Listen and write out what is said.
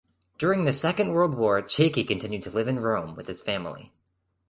During the Second World War Cecchi continued to live in Rome with his family.